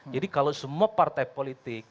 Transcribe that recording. jadi kalau semua partai politik